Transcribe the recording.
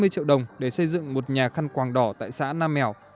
ba trăm hai mươi triệu đồng để xây dựng một nhà khăn quàng đỏ tại xã nam mèo